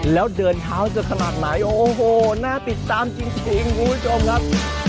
แล้วเดินเท้าจะขนาดไหนโอ้โหน่าติดตามจริงคุณผู้ชมครับ